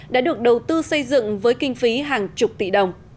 đã được đầu tư xây dựng với kinh phí hàng chục tỷ đồng